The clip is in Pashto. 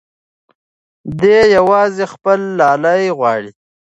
دی یوازې خپل لالی غواړي.